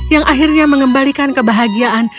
yang akhirnya mengembalikan kebahagiaan